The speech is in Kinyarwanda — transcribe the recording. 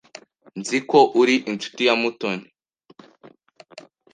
Nzi ko uri inshuti ya Mutoni.